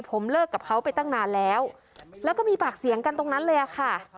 ผมเลิกกับเขาไปตั้งนานแล้วแล้วก็มีปากเสียงกันตรงนั้นเลยอะค่ะ